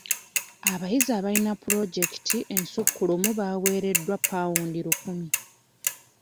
Abayizi abalina pulojekiti ensukkulumu baaweereddwa paawunda lukumi.